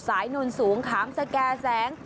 สายนนท์สูงข้ามสแกร่แสง